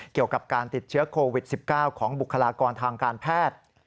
เกี่ยวกับการติดเชื้อโควิด๑๙ของบุคลากรทางการแพทย์